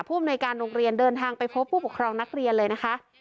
อำนวยการโรงเรียนเดินทางไปพบผู้ปกครองนักเรียนเลยนะคะ